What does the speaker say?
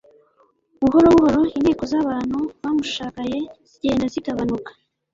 Buhoro buhoro inteko z'abantu bamushagaye zigenda zigabanuka.